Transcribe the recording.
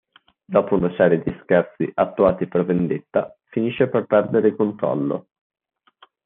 Dopo una serie di scherzi attuati per vendetta finisce per perdere il controllo.